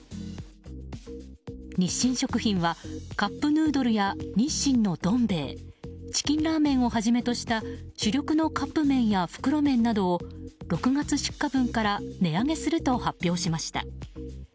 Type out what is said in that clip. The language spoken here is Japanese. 日清食品はカップヌードルや日清のどん兵衛チキンラーメンをはじめとした主力のカップ麺や袋麺などを６月出荷分から値上げすると発表しました。